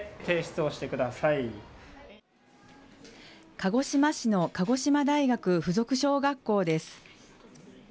鹿児島市の鹿児島大学附属小学校です。